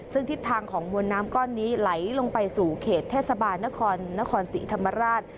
ซึ่งทิศทางของมวลน้ำก้อนนี้ไหลลงไปสู่เขตเทศบาลนครนครศรีธรรมราช